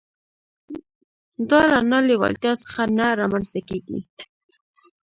دا له نه لېوالتيا څخه نه رامنځته کېږي.